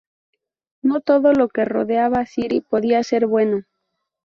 No todo lo que rodeaba Siri podía ser bueno.